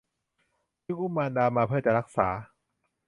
จึงอุ้มมารดามาเพื่อจะรักษา